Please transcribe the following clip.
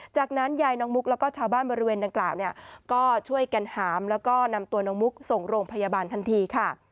จากนั้นยายน้องมุกแล้วก็ชาวบ้านบริเวณดังกล่าวเนี่ยก็ช่วยกันหามแล้วก็นำตัวน้องมุกส่งโรงพยาบาลทันทีค่ะ